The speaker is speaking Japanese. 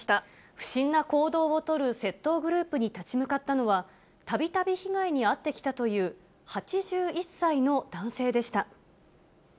不審な行動を取る窃盗グループに立ち向かったのは、たびたび被害に遭ってきたという８１歳の男性でした。